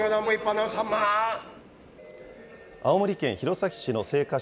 青森県弘前市の青果